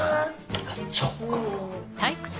買っちゃおっかな。